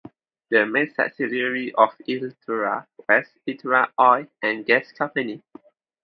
The main subsidiary of Itera was Itera Oil and Gas Company.